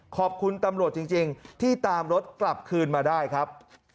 ขอบคุณตำรวจจริงที่ตามรถกลับคืนมาได้ครับ